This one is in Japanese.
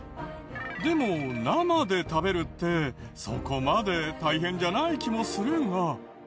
でも生で食べるってそこまで大変じゃない気もするが。